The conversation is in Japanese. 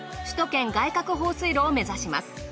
首都圏外郭放水路を目指します。